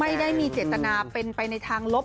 ไม่ได้มีเจตนาเป็นไปในทางลบ